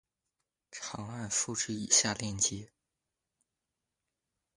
长按复制以下链接